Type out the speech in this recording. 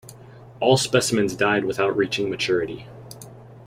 All specimens died without reaching maturity.